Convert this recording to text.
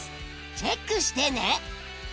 チェックしてね。